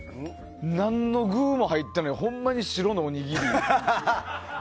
何の具も入ってないほんまに白のおにぎり。